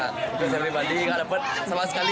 untuk saya pribadi tidak dapat sama sekali